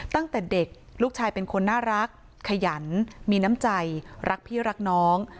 ตั้งแต่เด็กลูกชายเป็นคนน่ารักขยันมีน้ำใจรักพี่รักน้อง